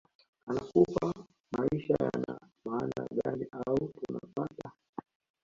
anakufa maisha yana maana gani au tunapata